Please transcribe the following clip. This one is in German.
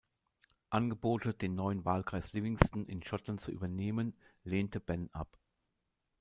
Angebote, den neuen Wahlkreis Livingston in Schottland zu übernehmen, lehnte Benn ab.